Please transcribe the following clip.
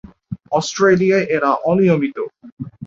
অস্ট্রেলিয়ায় এরা অনিয়মিত।